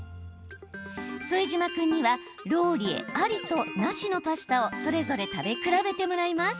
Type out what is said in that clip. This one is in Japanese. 副島君にはローリエありと、なしのパスタをそれぞれ食べ比べてもらいます。